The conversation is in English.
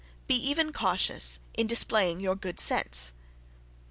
"Be even cautious in displaying your good sense.